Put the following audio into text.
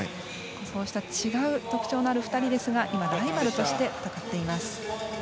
そうした違う特徴のある２人ですが今ライバルとして戦っています。